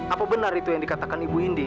apa benar itu yang dikatakan ibu indi